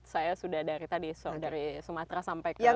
saya sudah dari tadi dari sumatera sampai ke